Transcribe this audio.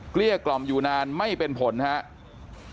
เกี้ยกล่อมอยู่นานไม่เป็นผลครับ